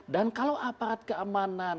dan kalau aparat keamanan